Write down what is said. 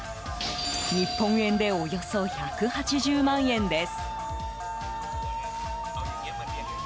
日本円でおよそ１８０万円です。